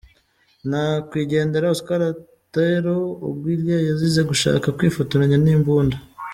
Nyakwigendera Oscar Otero Aguilar yazize gushaka kwifotoranya n'imbunda.